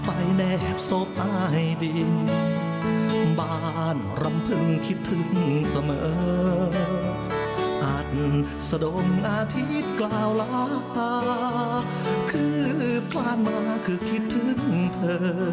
อันสดมอาทิตย์กล่าวล่าคือพลานมาคือคิดถึงเธอ